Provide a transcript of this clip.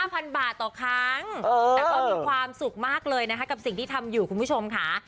พันบาทต่อครั้งแต่ก็มีความสุขมากเลยนะคะกับสิ่งที่ทำอยู่คุณผู้ชมค่ะ